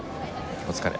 お疲れ。